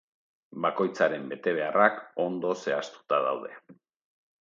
Bakoitzaren betebeharrak ondo zehaztuta daude.